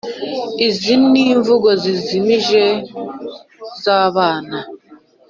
Izi n’imvugo zijimije zabana